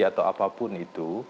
atau apapun itu